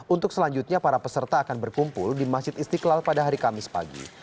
untuk selanjutnya para peserta akan berkumpul di masjid istiqlal pada hari kamis pagi